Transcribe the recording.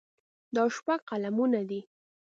دا شپږ قلمونه دي.